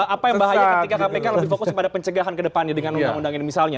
apa yang bahaya ketika kpk lebih fokus kepada pencegahan ke depannya dengan undang undang ini misalnya